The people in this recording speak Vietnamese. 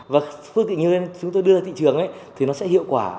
và phương tiện nhiều lên chúng tôi đưa ra thị trường thì nó sẽ hiệu quả